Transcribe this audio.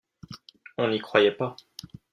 On n’y croyait pas.